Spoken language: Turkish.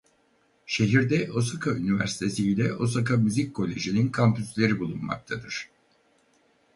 Şehirde Osaka Üniversitesi ile Osaka Müzik Koleji'nin kampüsleri bulunmaktadır.